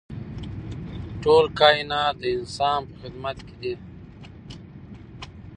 ټول کاینات د انسان په خدمت کې دي.